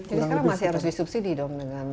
jadi sekarang masih harus disubsidi dong dengan